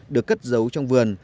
được cất giấu trong vườn